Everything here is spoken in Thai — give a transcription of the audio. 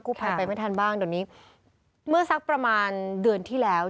ภัยไปไม่ทันบ้างเดี๋ยวนี้เมื่อสักประมาณเดือนที่แล้ว